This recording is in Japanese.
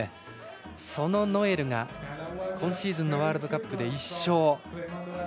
そのノエルが今シーズンのワールドカップで１勝。